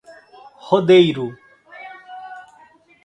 Rodeiro